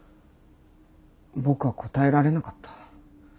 僕は答えられなかった。